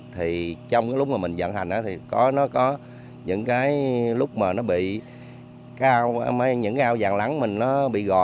thì trong lúc mà mình dẫn hành thì có những cái lúc mà nó bị cao những cái ao vàng lắng mình nó bị gò